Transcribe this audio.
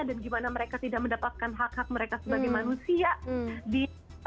dan gimana mereka tidak mendapatkan hak hak mereka sebagai manusia di